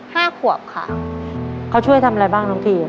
ห้าขวบค่ะเขาช่วยทำอะไรบ้างน้องพีม